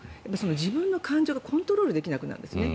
自分の感情がコントロールできなくなるんですよね。